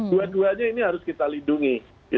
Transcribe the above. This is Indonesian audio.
dua duanya ini harus kita lindungi